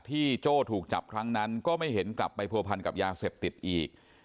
โจ้ถูกจับครั้งนั้นก็ไม่เห็นกลับไปผัวพันกับยาเสพติดอีก